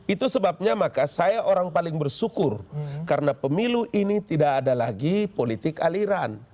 itu sebabnya maka saya orang paling bersyukur karena pemilu ini tidak ada lagi politik aliran